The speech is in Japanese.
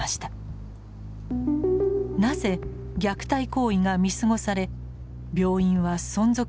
なぜ虐待行為が見過ごされ病院は存続し続けてきたのでしょうか。